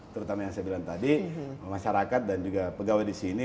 terutama yang saya bilang tadi masyarakat dan juga pegawai di sini